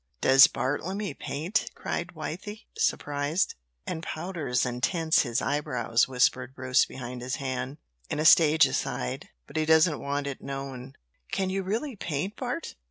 "Does Bartlemy paint?" cried Wythie, surprised. "And powders and tints his eyebrows," whispered Bruce behind his hand, in a stage aside. "But he doesn't want it known." "Can you really paint, Bart?